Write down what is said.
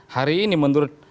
hari ini menurut